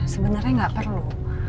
sebenernya gak perlu